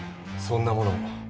そんなもの